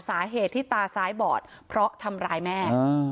สาเหตุที่ตาซ้ายบอดเพราะทำร้ายแม่